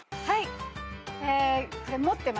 はい。